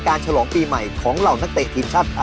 การฉลองปีใหม่ของเรานักเตะทีมชาติภาค